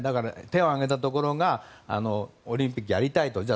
手を挙げたところがオリンピックをやりたいと。